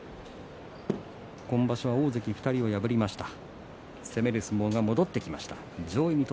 今場所大関２人を破りました。